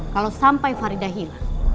kalau sampai farida hilang